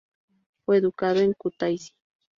Fue educado en Kutaisi.